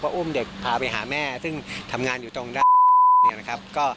เพราะอุ้มเด็กพาไปหาแม่ซึ่งทำงานอยู่ตรงนะครับ